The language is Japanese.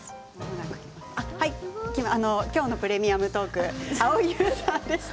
今日の「プレミアムトーク」蒼井優さんでした。